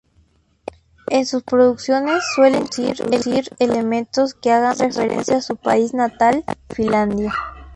En sus producciones suele introducir elementos que hagan referencia a su país natal, Finlandia.